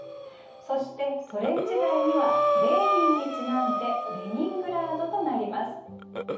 そしてソ連時代にはレーニンにちなんでレニングラードとなります。